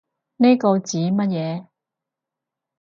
呢個指乜嘢